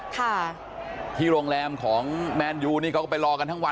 ที่กำลังร่องแรมของแมนยูนี่ก็ไปรอกันทั้งวัน